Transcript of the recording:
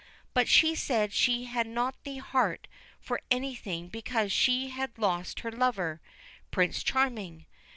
But she said she had not the heart for anything because she had lost her lover, Prince Charming.